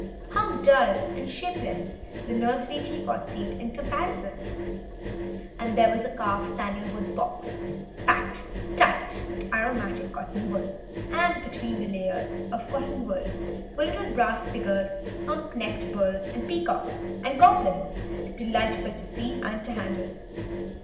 How dull and shapeless the nursery teapot seemed in comparison! And there was a carved sandal wood box packed tight with aromatic cotton wool, and between the layers of cotton wool were little brass figures, hump necked bulls, and peacocks and goblins, delightful to see and to handle.